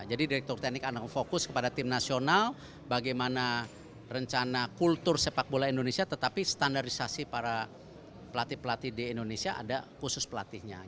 jadi direktur teknik akan fokus kepada tim nasional bagaimana rencana kultur sepak bola indonesia tetapi standarisasi para pelatih pelatih di indonesia ada khusus pelatihnya